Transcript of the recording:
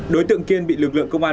đối tượng kiên bị lực lượng công an